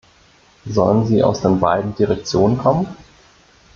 Sollen sie aus den beiden Direktionen kommen?